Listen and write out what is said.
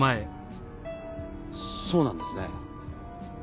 そうなんですね？